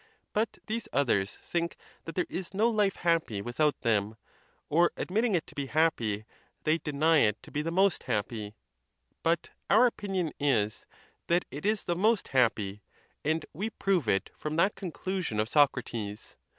But these oth ers think that there is no life happy without them; or, ad mitting it to be happy, they deny it to be the most happy. But our opinion is, that it is the most happy; and we prove it from that conclusion of Socrates.